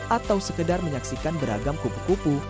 atau sekedar menyaksikan beragam kupu kupu